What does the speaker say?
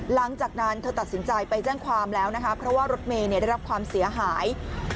หลังจากนั้นเธอตัดสินใจไปแจ้งความแล้วนะคะเพราะว่ารถเมย์ได้รับความเสียหาย